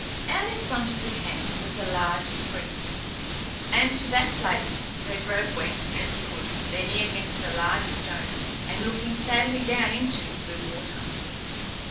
Out in front of the camp was a large spring, and to that place Red Robe went and stood leaning against a large stone and looking sadly down into the blue water.